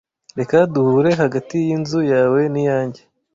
Reka duhure hagati yinzu yawe niyanjye.